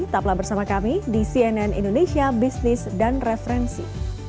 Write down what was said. tetaplah bersama kami di cnn indonesia bisnis dan referensi